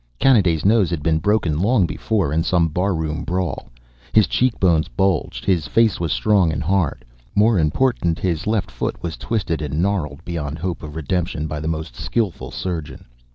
Kanaday's nose had been broken long before in some barroom brawl; his cheekbones bulged; his face was strong and hard. More important, his left foot was twisted and gnarled beyond hope of redemption by the most skillful surgeon.